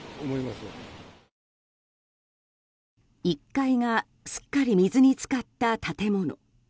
１階がすっかり水に浸かった建物。